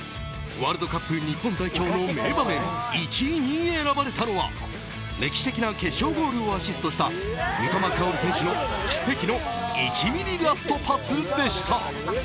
ワールドカップ日本代表の名場面１位に選ばれたのは歴史的な決勝ゴールをアシストした三笘薫選手の奇跡の１ｍｍラストパスでした。